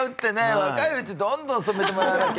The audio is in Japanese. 若いうちどんどん染めてもらわなきゃ。